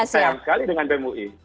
sayang sekali dengan bemui